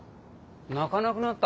鳴かなくなった？